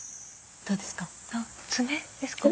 どうですか？